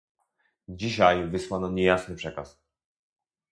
Dzisiaj wysłano niejasny przekaz